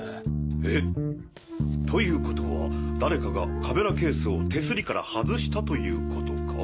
えっ！という事は誰かがカメラケースを手すりから外したという事か？